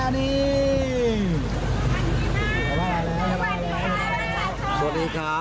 เฮ้ยดีใจมากเลยจะนึกถึงพวกเราอ่ะ